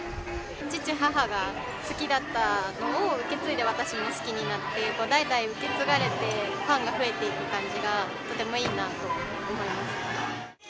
父、母が好きだったのを受け継いで私も好きになって、代々受け継がれてファンが増えていく感じが、とてもいいなと思いますね。